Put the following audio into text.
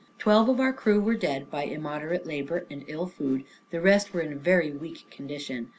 Twelve of our crew were dead by immoderate labor, and ill food, the rest were in a very weak condition.